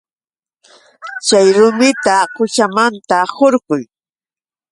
Chay rumita quchamanta hurquy.